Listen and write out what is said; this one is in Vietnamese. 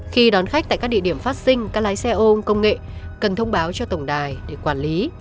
khi đón khách tại các địa điểm phát sinh các lái xe ôm công nghệ cần thông báo cho tổng đài để quản lý